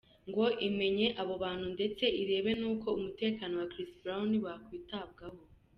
ngo imenye abo bantu ndetse irebe nuko umutekano wa Chris Brown wakwitabwaho.